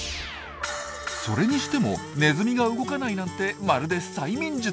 それにしてもネズミが動かないなんてまるで催眠術。